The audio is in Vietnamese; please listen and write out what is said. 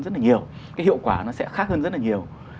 rất là nhiều cái hiệu quả nó sẽ khác hơn rất là nhiều